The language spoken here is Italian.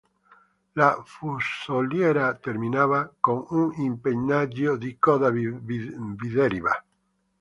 La fusoliera terminava con un impennaggio di coda bideriva.